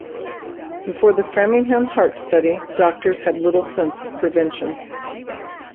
Before the Framingham Heart Study, doctors had little sense of prevention.